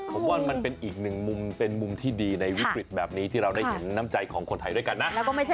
ผมว่ามันเป็นอีกหนึ่งมุมเป็นมุมที่ดีในวิกฤตแบบนี้ที่เราได้เห็นน้ำใจของคนไทยด้วยกันนะ